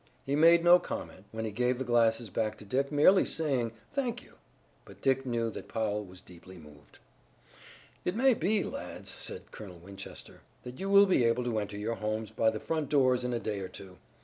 He made no comment, when he gave the glasses back to Dick, merely saying: "Thank you." But Dick knew that Powell was deeply moved. "It may be, lads," said Colonel Winchester, "that you will be able to enter your homes by the front doors in a day or two.